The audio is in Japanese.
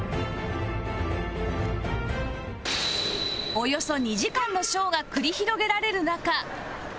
およそ２時間のショーが繰り広げられる中